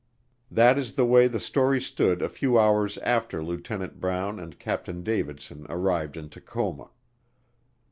That is the way the story stood a few hours after Lieutenant Brown and Captain Davidson arrived in Tacoma.